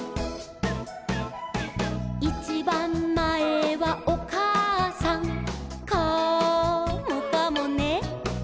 「いちばんまえはおかあさん」「カモかもね」